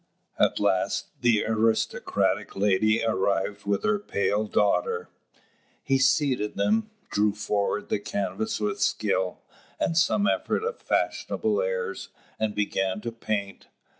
At last the aristocratic lady arrived with her pale daughter. He seated them, drew forward the canvas with skill, and some efforts of fashionable airs, and began to paint.